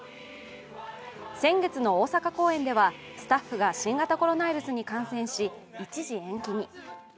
先月の大阪公演では、スタッフが新型コロナウイルスに感染し一時延期に。